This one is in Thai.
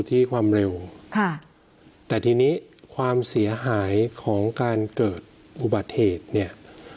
ที่ความเร็วค่ะแต่ทีนี้ความเสียหายของการเกิดอุบัติเหตุเนี่ย